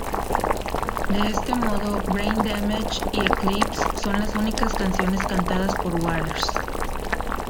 De este modo, Brain Damage y Eclipse son las únicas canciones cantadas por Waters.